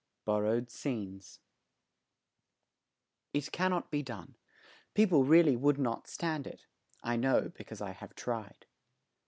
BORROWED SCENES "It cannot be done. People really would not stand it. I know because I have tried."